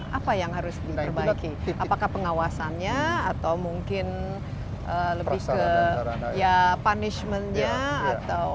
mungkin apa yang harus diperbaiki apakah pengawasannya atau mungkin lebih ke ya punishment nya atau apa